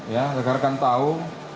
ya sekarang kan tahu